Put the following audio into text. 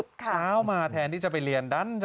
เช้ามาแทนที่จะไปเรียนดัน